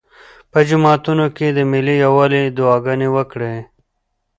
په جوماتونو کې د ملي یووالي دعاګانې وکړئ.